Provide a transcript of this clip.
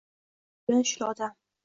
Qutqu solgan — shul odam!»